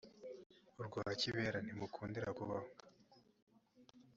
urwa kibere ntimukundira kubaho